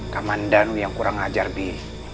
kamandanu yang kurang ajar bi